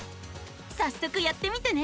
さっそくやってみてね。